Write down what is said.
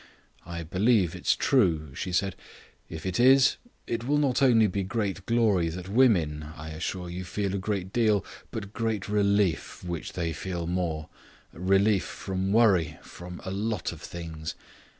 "I believe it's true," she said. "If it is, it will not only be great glory which women, I assure you, feel a great deal, but great relief, which they feel more; relief from worry from a lot of things.